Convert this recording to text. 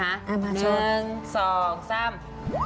เอามาโชว์